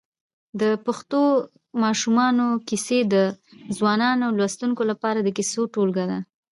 د پښتو ماشومانو کیسې د ځوانو لوستونکو لپاره د کیسو ټولګه ده.